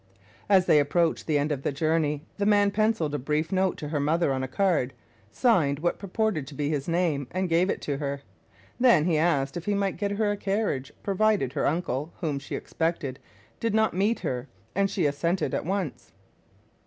As they approached the end of the journey, the man penciled a brief note to her mother on a card, Signed what purported to be his name, and gave it to her. Then he asked if he might get her a carriage provided her uncle, whom she expected, did not meet her, and she assented at once.